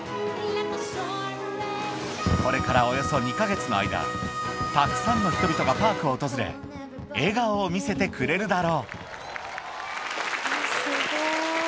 これからおよそ２か月の間たくさんの人々がパークを訪れ笑顔を見せてくれるだろうすごい。